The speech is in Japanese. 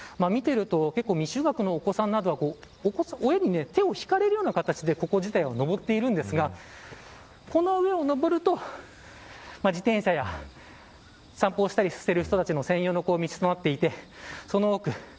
見ていると未就学のお子さんなどは親に手を引かれるような形でここ自体を上っているんですがこの上を上ると自転車や散歩をしたりしている人たちの専用の道となっていてその奥